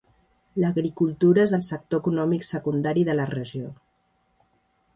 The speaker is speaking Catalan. L'agricultura és el sector econòmic secundari de la regió.